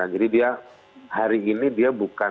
jadi dia hari ini bukan cacat